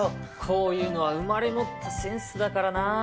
こういうのは生まれ持ったセンスだからなあ。